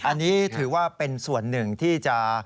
อันนี้ถือว่าเป็นส่วนหนึ่งที่จะ